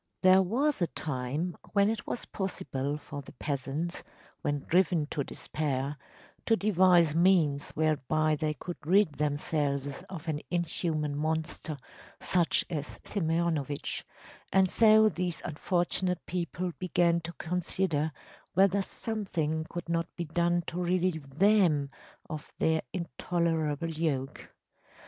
There was a time when it was possible for the peasants, when driven to despair, to devise means whereby they could rid themselves of an inhuman monster such as Simeonovitch, and so these unfortunate people began to consider whether something could not be done to relieve them of their intolerable yoke.